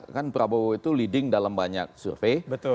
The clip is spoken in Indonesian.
kan prabowo itu leading dalam banyak survei